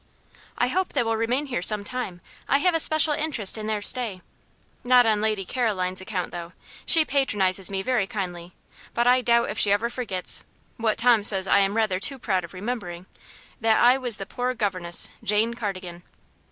"I hope they will remain here some time. I have a special interest in their stay. Not on Lady Caroline's account, though. She patronizes me very kindly; but I doubt if she ever forgets what Tom says I am rather too proud of remembering that I was the poor governess, Jane Cardigan."